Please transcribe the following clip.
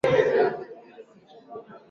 Tumekuwa tukisoma usiku kucha